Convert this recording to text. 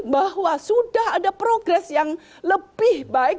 bahwa sudah ada progres yang lebih baik